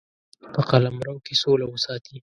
په قلمرو کې سوله وساتي.